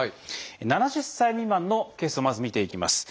７０歳未満のケースをまず見ていきます。